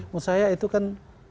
menurut saya itu kan